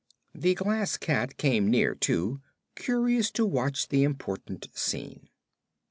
The Glass Cat came near, too, curious to watch the important scene.